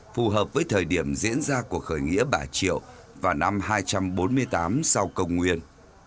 phù hợp với thời điểm diễn ra cuộc khởi nghĩa bà triệu vào năm hai trăm bốn mươi tám sau công nguyên